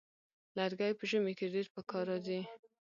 لرګی په ژمي کې ډېر پکار راځي.